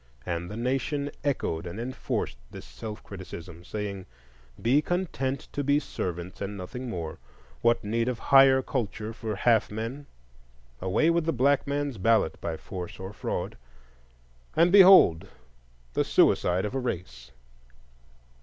And the Nation echoed and enforced this self criticism, saying: Be content to be servants, and nothing more; what need of higher culture for half men? Away with the black man's ballot, by force or fraud,—and behold the suicide of a race!